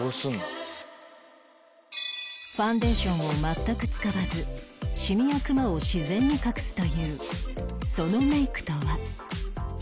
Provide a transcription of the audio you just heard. ファンデーションを全く使わずシミやクマを自然に隠すというそのメイクとは？